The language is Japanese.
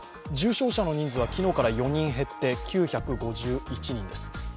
重症者の人数は昨日から４人減って９５１人です。